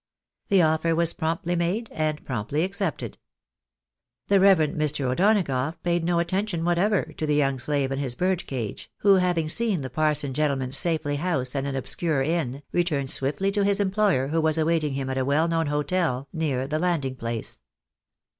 The offer was promptly made and promptly accepted. The reverend Mr. O'Donagough paid no attention whatever to the j'oung slave and his bird cage, who having seen the parson gentleman safely housed at an obscure inn, retvirned swiftly to his employer, who was awaiting him at a well known hotel near the landing place.